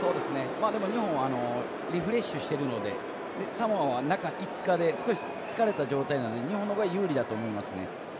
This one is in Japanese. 日本リフレッシュしてるのでサモアは中５日で少し疲れた状態なので日本のほうが有利だと思いますね。